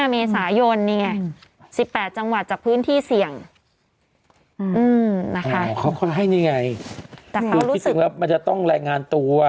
มันต้องแหล่งงานตัว